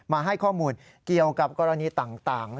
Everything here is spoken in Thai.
มาให้ข้อมูลเกี่ยวกับกรณีต่าง